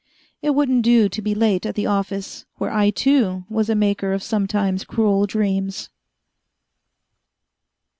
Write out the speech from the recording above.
It wouldn't do to be late at the office, where I, too, was a maker of sometimes cruel dreams.